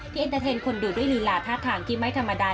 ที่เอ็นเตอร์เทรนด์คนดูด้วยลีลาท่าทางกิ๊มไม้ธรรมดา